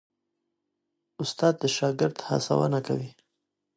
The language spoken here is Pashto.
استاد د شاګرد هڅونه کوي.